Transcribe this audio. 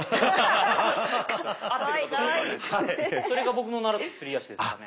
それが僕の習ったすり足ですかね。